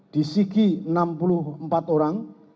di sigi enam puluh empat orang